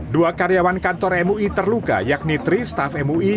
dua karyawan kantor mui terluka yakni tri staff mui